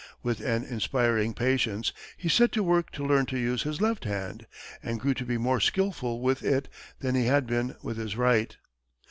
With an inspiring patience, he set to work to learn to use his left hand, and grew to be more skillful with it than he had been with his right.